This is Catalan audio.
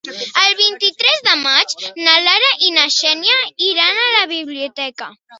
El vint-i-tres de maig na Lara i na Xènia iran a la biblioteca.